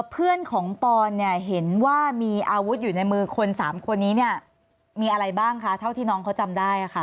เพื่อนของปอนเนี่ยเห็นว่ามีอาวุธอยู่ในมือคน๓คนนี้เนี่ยมีอะไรบ้างคะเท่าที่น้องเขาจำได้ค่ะ